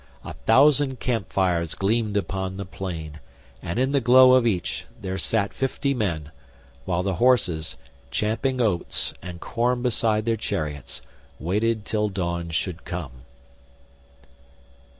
A thousand camp fires gleamed upon the plain, and in the glow of each there sat fifty men, while the horses, champing oats and corn beside their chariots, waited till dawn should come.